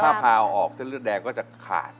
ถ้าพาเอาออกเส้นเลือดแดงก็จะขาด